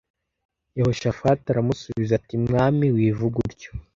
Yehoshafati aramusubiza ati “Mwami, wivuga utyo”